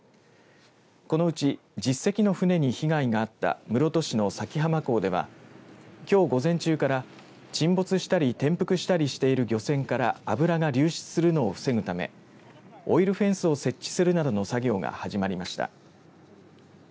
このうち、１０隻の船に被害があった室戸市の佐喜浜空港ではきょう午前中から沈没したり転覆したりしている漁船から油が流出するのを防ぐためオイルフェンスを設置するなどの作業が始まりました。